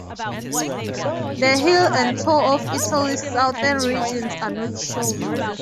The heel and toe of Italy's southern regions are not shown.